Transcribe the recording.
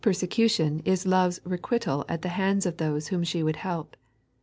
Pfltsecution is Love's requital at the hands of thoee whom she would help.